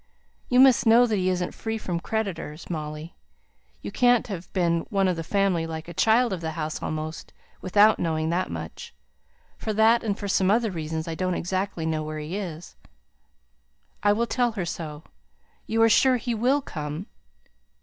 You must know that he isn't free from creditors, Molly. You can't have been one of the family, like a child of the house almost, without knowing that much. For that and for other reasons I don't exactly know where he is." "I will tell her so. You are sure he will come?"